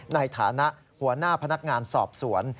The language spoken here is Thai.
ในฐานะหัวหน้าพนักงานสอบสวน